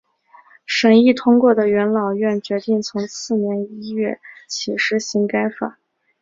审议通过的元老院决定从次年一月起施行该法。